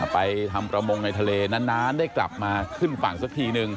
ไปทำประมงในทะเลนานได้กลับมาขึ้นฝั่งสักทีนึง